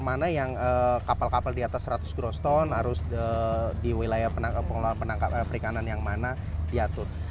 mana yang kapal kapal di atas seratus groston harus di wilayah pengelolaan perikanan yang mana diatur